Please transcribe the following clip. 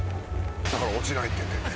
だから落ちないって言ってんねん。